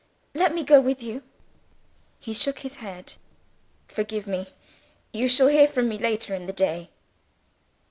"Let me go with you." He shook his head. "Forgive me. You shall hear from me later in the day."